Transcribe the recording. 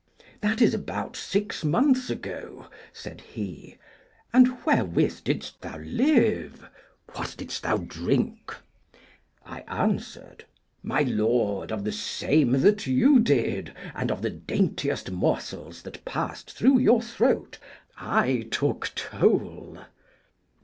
That is about six months ago, said he. And wherewith didst thou live? What didst thou drink? I answered, My lord, of the same that you did, and of the daintiest morsels that passed through your throat I took toll.